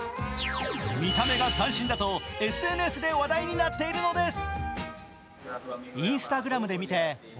見た目が斬新だとＳＮＳで話題になっているのです。